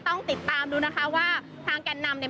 ต้องติดตามดูนะคะว่าทางแก่นนำเนี่ย